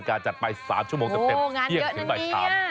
การจัดไป๓ชั่วโมงเต็มเต็มเที่ยงถึงใบคล้ำ